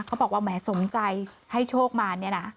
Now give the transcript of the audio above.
บอกว่าแหมสมใจให้โชคมาเนี่ยนะ